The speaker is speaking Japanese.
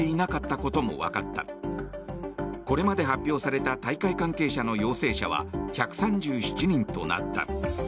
これまで発表された大会関係者の陽性者は１３７人となった。